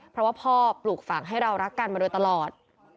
เพราะว่าพ่อปลูกฝังให้เรารักกันมาโดยตลอด